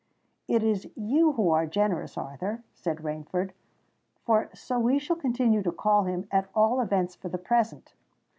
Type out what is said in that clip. "It is you who are generous, Arthur," said Rainford—for so we shall continue to call him, at all events for the present.